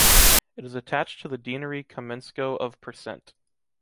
It is attached to the deanery Kamenskoe of %.